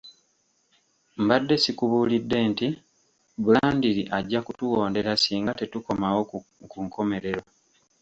Mbadde sikubuulidde nti Blandly ajja kutuwondera singa tetukomawo ku nkomerero.